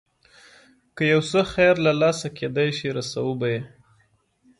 که یو څه خیر له لاسه کېدای شي رسوو به یې.